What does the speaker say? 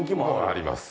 あります。